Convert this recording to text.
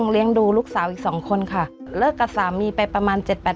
เลี้ยงดูลูกสาวอีกสองคนค่ะเลิกกับสามีไปประมาณเจ็ดแปด